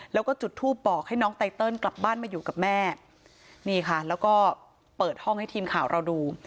แล้วก็จุดทูปบอกให้น้องไตเติลกลับบ้านมาอยู่กับแม่นี่ค่ะแล้วก็เปิดห้องให้ทีมข่าวเราดู